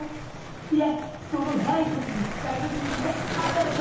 いやその「ないとき」につかえる数字があったでしょう？